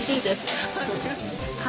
ハハハ！